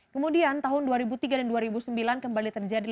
kemudian pada igwb keluarga terperang